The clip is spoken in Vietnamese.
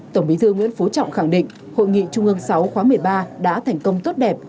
tổng bí thư nguyễn phú trọng khẳng định hội nghị trung ương sáu khóa một mươi ba đã thành công tốt đẹp